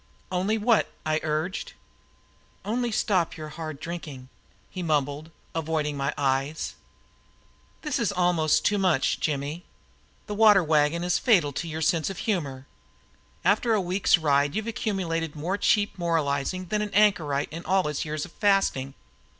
"Only what?" I urged. "Only stop your hard drinking," he mumbled, avoiding my eyes. "This is almost too much, Jimmy. The water wagon is fatal to your sense of humor. After a week's ride you've accumulated more cheap moralizing than any anchorite in all his years of fasting."